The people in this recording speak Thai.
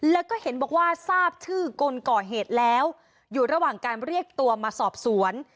แล้วก็เห็นบอกว่าทราบชื่อคนก่อเหตุแล้วอยู่ระหว่างการเรียกตัวมาสอบสวน